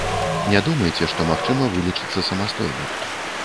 Не думайце, што магчыма вылечыцца самастойна.